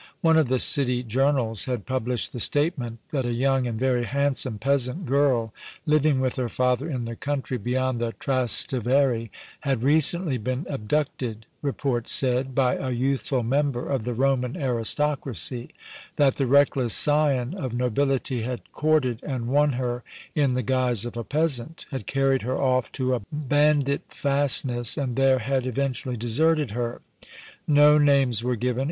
One of the city journals had published the statement that a young and very handsome peasant girl, living with her father in the country beyond the Trastavere, had recently been abducted, report said, by a youthful member of the Roman aristocracy; that the reckless scion of nobility had courted and won her in the guise of a peasant, had carried her off to a bandit fastness and there had eventually deserted her. No names were given.